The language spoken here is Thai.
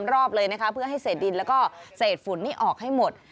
รอบเลยนะคะเพื่อให้เศษดินแล้วก็เศษฝุ่นนี้ออกให้หมด